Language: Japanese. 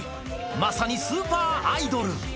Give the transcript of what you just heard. まさにスーパーアイドル。